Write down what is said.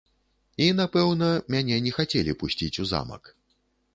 І, напэўна, мяне не хацелі пусціць у замак.